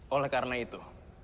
oleh karena itu